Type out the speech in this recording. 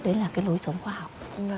đấy là cái lối sống khoa học